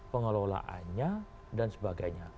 pengelolaannya dan sebagainya